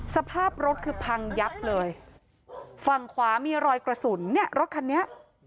สภาพรถคือพังยับเลยฝั่งขวามีรอยกระสุนเนี่ยรถคันนี้